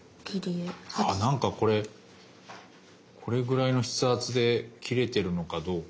あなんかこれこれぐらいの筆圧で切れてるのかどうか。